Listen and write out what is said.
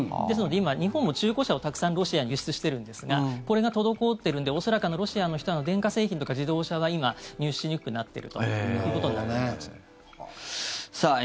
ですので今、日本も中古車をたくさんロシアに輸出してるんですがこれが滞っているので恐らくロシアの人は電化製品とか自動車は今、入手しにくくなっているということになると思います。